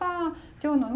今日のね